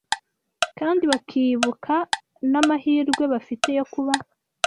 kandi bakibuka n’amahirwe bafite yo kuba